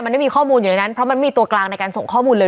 มันไม่มีข้อมูลอยู่ในนั้นเพราะมันมีตัวกลางในการส่งข้อมูลเลย